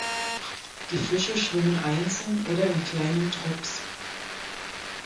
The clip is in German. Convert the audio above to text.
Die Fische schwimmen einzeln oder in kleinen Trupps.